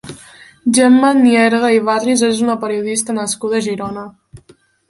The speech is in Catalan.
Gemma Nierga i Barris és una periodista nascuda a Girona.